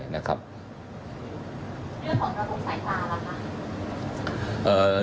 เรื่องของระบุสายตาหรือเปล่า